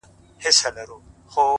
• خدایه یو لا انارګل درڅخه غواړو ,